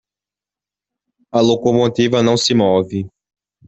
A locomotiva não se move